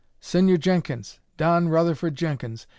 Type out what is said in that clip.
Señor Jenkins, Don Rutherford Jenkins!